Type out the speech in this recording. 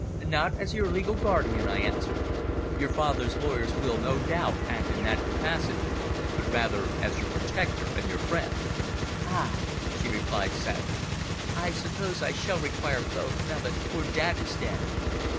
"Not as your legal guardian," I answered. "Your father's lawyers will, no doubt, act in that capacity, but rather as your protector and your friend." "Ah!" she replied sadly, "I suppose I shall require both, now that poor dad is dead."